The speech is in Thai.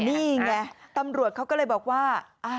นี่ไงตำรวจเขาก็เลยบอกว่า